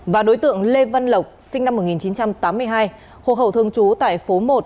và đối tượng lê văn lộc sinh năm một nghìn chín trăm tám mươi hai hộ khẩu thương chú tại phố một